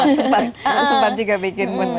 sempat juga bikin